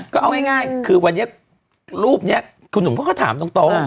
ก็เอาง่ายคือวันนี้รูปนี้คุณหนุ่มเขาก็ถามตรง